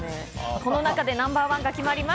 この中でナンバーワンが決まります。